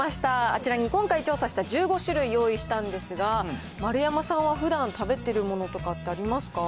あちらに今回調査した１５種類用意したんですが、丸山さんはふだん、食べてるものとかってありますか？